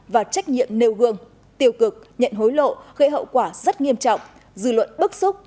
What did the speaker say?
và trách nhiệm nêu gương tiêu cực nhận hối lộ gây hậu quả rất nghiêm trọng dư luận bức xúc